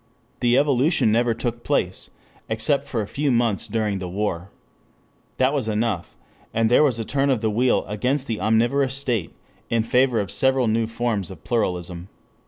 The evolution never took place, except for a few months during the war. That was enough, and there was a turn of the wheel against the omnivorous state in favor of several new forms of pluralism.